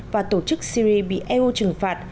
và tổ chức syri bị eu trừng phạt